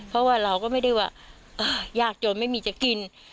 เพราะว่าเราก็ไม่ได้ว่ายากจนไม่มีจะกิน